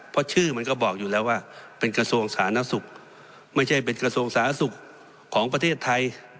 เพราะชื่อมันก็บอกอยู่แล้วว่าเป็นกระทรวงสาธารณสุขไม่ใช่เป็นกระทรวงสาธารณสุขของประเทศไทย